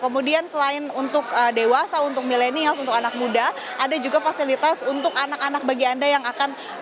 kemudian selain untuk dewasa untuk milenials untuk anak muda ada juga fasilitas untuk anak anak bagi anda yang akan